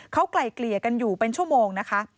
เขาไกลเกลี่ยกันอยู่เป็นชั่วโมงนะคะ